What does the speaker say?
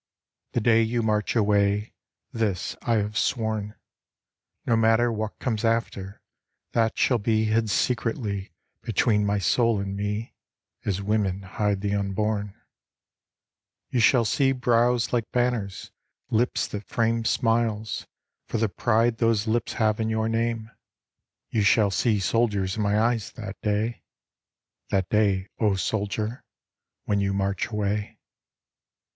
The day you march away this I have sworn, No matter what comes after, that shall be Hid secretly between my soul and me As women hide the unborn You shall see brows like banners, lips that frame Smiles, for the pride those lips have in your name. You shall see soldiers in my eyes that day That day, O soldier, when you march away.